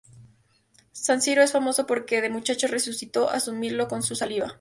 San Siro es famoso porque de muchacho resucitó a su mirlo con su saliva.